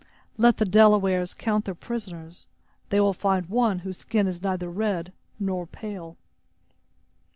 "Let the Delawares count their prisoners; they will find one whose skin is neither red nor pale."